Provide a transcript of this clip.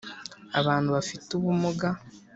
abantu bafite ubumuga .